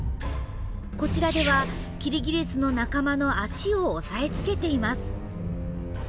こちらではキリギリスの仲間の足を押さえつけています。